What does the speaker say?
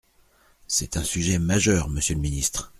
C’est un sujet majeur, monsieur le ministre.